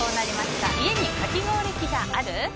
家にかき氷機がある？